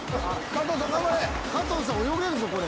加藤さん泳げるぞこれ。